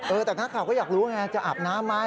เออแต่หน้าข่าวก็อยากรู้ว่าจะอาบน้ำไม่